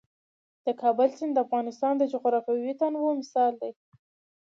د کابل سیند د افغانستان د جغرافیوي تنوع مثال دی.